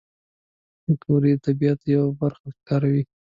پکورې د طبیعت یوه برخه ښکاري